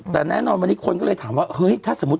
แต่แน่นอนวันนี้คนก็เลยถามว่าเฮ้ยถ้าสมมุติ